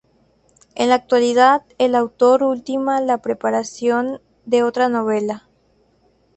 En la actualidad, el autor ultima la preparación de otra novela.